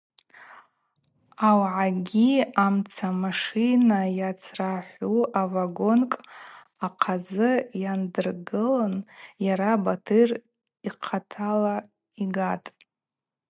Ауаъагьи амцамашина йацрахӏву авагонкӏ ахъазы йандыргылын йара Батыр йхъатала йгатӏ.